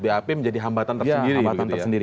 bap menjadi hambatan tersendiri